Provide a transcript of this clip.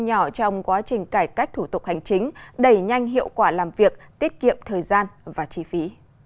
nhỏ trong quá trình cải cách thủ tục hành chính đẩy nhanh hiệu quả làm việc tiết kiệm thời gian và chi phí